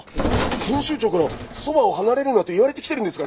編集長からそばを離れるなと言われてきてるんですがね！